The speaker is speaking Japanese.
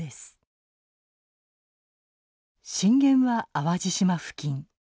震源は淡路島付近。